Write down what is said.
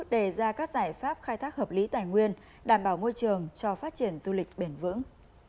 đề ra các giải pháp khai thác hợp lý tài nguyên đảm bảo môi trường cho phát triển du lịch bền vững